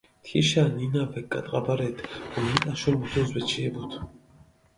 თიშა ნინა ვეკგატყაბარედჷ, უმენტაშო მუთუნს ვეჩიებუდჷ.